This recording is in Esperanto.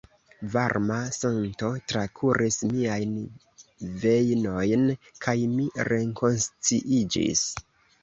Varma sento trakuris miajn vejnojn kaj mi rekonsciiĝis.